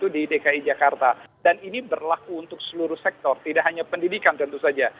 dan ini berlaku untuk seluruh sektor tidak hanya pendidikan tentu saja